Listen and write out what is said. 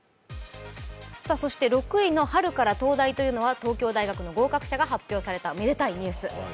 ６位の春から東大というのは東京大学の合格者が発表されためでたいニュース。